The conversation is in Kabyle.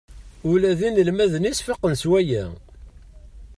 Ula d inelmaden-is faqen s waya.